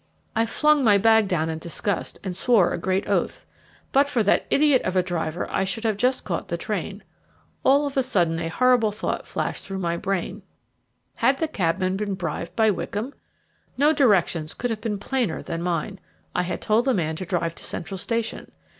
I flung my bag down in disgust and swore a great oath. But for that idiot of a driver I should have just caught the train. All of a sudden a horrible thought flashed through my brain. Had the cabman been bribed by Wickham? No directions could have been plainer than mine. I had told the man to drive to Central Station.